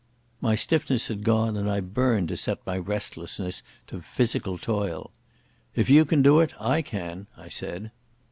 My stiffness had gone and I burned to set my restlessness to physical toil. "If you can do it, I can," I said.